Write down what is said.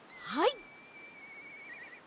はい！